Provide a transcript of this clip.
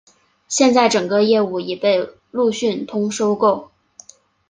现时整个业务已被路讯通收购。